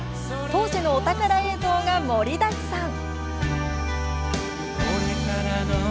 当時のお宝映像が盛りだくさん。